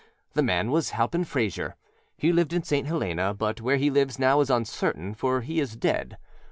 The man was Halpin Frayser. He lived in St. Helena, but where he lives now is uncertain, for he is dead.